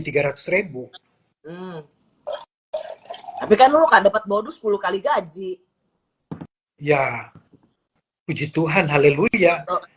tiga ratus tapi kan lu kan dapat bodoh sepuluh kali gaji ya puji tuhan haleluya